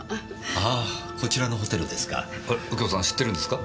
あーこちらのホテルですか。